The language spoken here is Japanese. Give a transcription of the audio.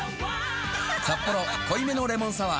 「サッポロ濃いめのレモンサワー」